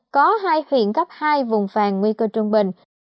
có hai huyện cấp hai vùng vàng nguy cơ trung bình